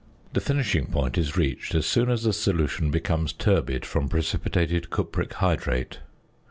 The finishing point is reached as soon as the solution becomes turbid from precipitated cupric hydrate.